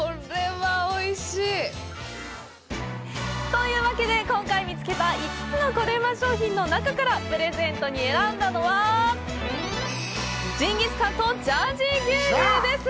というわけで、今回見つけた５つのコレうま商品の中からプレゼントに選んだのはジンギスカンとジャージー牛乳です！